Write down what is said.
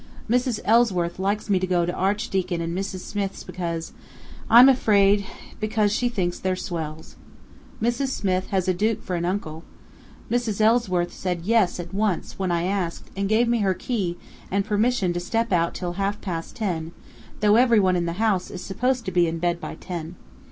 "Mrs. Ellsworth likes me to go to Archdeacon and Mrs. Smith's because I'm afraid because she thinks they're 'swells.' Mrs. Smith has a duke for an uncle! Mrs. Ellsworth said 'yes' at once, when I asked, and gave me her key and permission to stop out till half past ten, though everyone in the house is supposed to be in bed by ten.